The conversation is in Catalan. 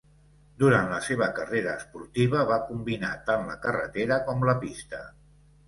Durant la seva carrera esportiva va combinar tant la carretera com la pista.